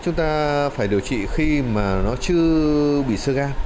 chúng ta phải điều trị khi mà nó chưa bị sơ gan